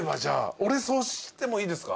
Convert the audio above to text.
俺そうしてもいいですか？